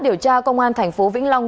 điều tra công an tp vĩnh long